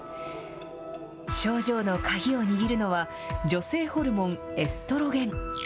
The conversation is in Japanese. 症状の鍵を握るのは、女性ホルモン、エストロゲン。